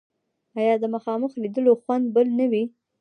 آیا د مخامخ لیدلو خوند بل نه دی؟